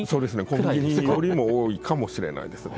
コンビニよりも多いかもしれないですね。